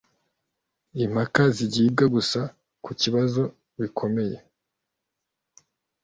Impaka zigibwa gusa ku kibazo bikomeye